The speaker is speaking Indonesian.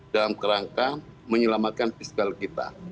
dalam kerangka menyelamatkan fiskal kita